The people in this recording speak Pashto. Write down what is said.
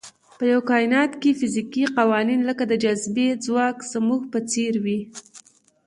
په یوه کاینات کې فزیکي قوانین لکه د جاذبې ځواک زموږ په څېر وي.